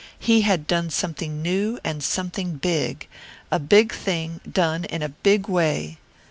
He had done something new and something big: a big thing done in a big way.